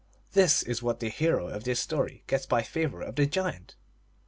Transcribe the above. This is what the hero of this story gets by favor of the giant.